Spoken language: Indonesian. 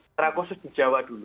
secara khusus di jawa dulu